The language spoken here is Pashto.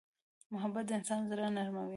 محبت د انسان زړه نرموي.